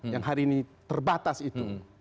yang hari ini terbatas itu